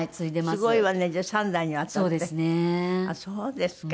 そうですか。